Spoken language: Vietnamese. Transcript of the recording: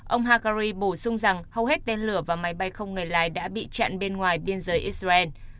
ông hakarri bổ sung rằng hầu hết tên lửa và máy bay không người lái đã bị chặn bên ngoài biên giới israel